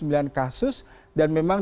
dan memang di bandung